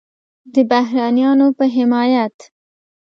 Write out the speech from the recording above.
د بهرنیانو په حمایت